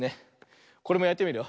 これもやってみるよ。